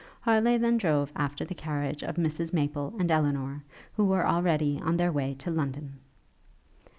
Harleigh then drove after the carriage of Mrs Maple and Elinor, who were already on their way to London.